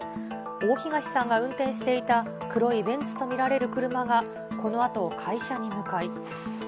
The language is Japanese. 大東さんが運転していた黒いベンツと見られる車がこのあと会社に向かい。